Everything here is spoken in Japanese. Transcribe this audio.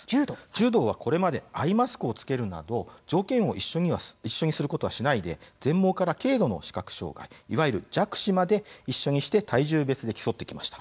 柔道はこれまでアイマスクをつけるなど条件を一緒にすることはしないで全盲から軽度の視覚障害いわゆる弱視まで一緒にして体重別で競ってきました。